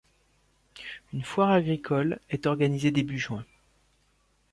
Une foire agricole est organisée début juin.